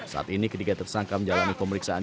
saat ini ketiga tersangka menjalani pemeriksaan